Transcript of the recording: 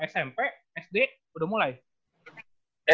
smp sd udah mulai